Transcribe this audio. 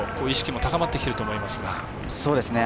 意識も高まってきていると思いますが。